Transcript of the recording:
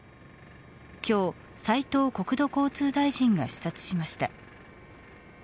今日斉藤国土交通大臣が視察しました。